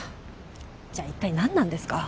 じゃあ一体なんなんですか？